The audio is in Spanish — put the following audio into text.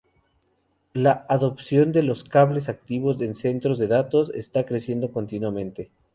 La adopción de los cables activos en centros de datos está creciendo continuamente.